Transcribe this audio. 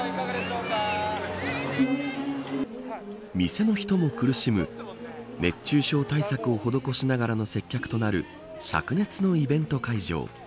店の人も苦しむ熱中症対策を施しながらの接客となる灼熱のイベント会場。